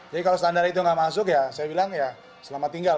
jadi kalau standar itu gak masuk ya saya bilang ya selamat tinggal